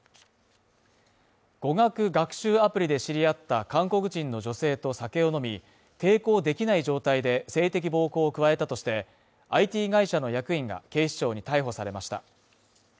語学学習アプリで知り合った韓国人の女性と酒を飲み、抵抗できない状態で、性的暴行を加えたとして、ＩＴ会社の役員が警視庁に逮捕されました。